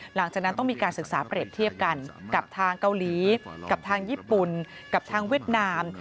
หลังจากนั้นต้องมีการศึกษาเปรียบเทียบกันกับทางเกาหลีกับทางญี่ปุ่นกับทางเวียดนาม